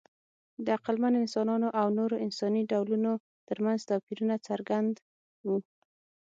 د عقلمن انسانانو او نورو انساني ډولونو ترمنځ توپیرونه څرګند وو.